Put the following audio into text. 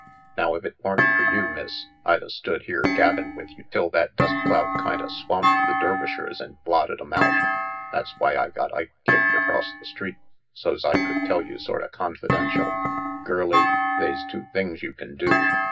Now if it wan't fer you, Miss, I'd a stood here gabbin' with you till that dust cloud kinda swamped the Der vishers and blotted 'em out. That's why I got Ike kicked across the street, so's I could tell you sorta confidential. Girlie, they's two things you can do.